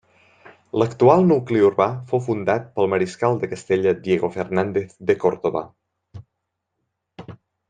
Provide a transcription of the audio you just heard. L'actual nucli urbà fou fundat pel mariscal de Castella Diego Fernández de Córdoba.